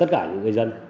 tất cả những người dân